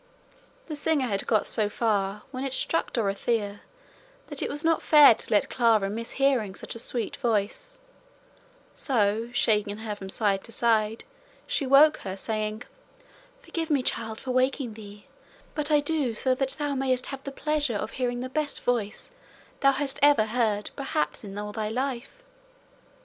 The singer had got so far when it struck Dorothea that it was not fair to let Clara miss hearing such a sweet voice, so, shaking her from side to side, she woke her, saying: "Forgive me, child, for waking thee, but I do so that thou mayest have the pleasure of hearing the best voice thou hast ever heard, perhaps, in all thy life."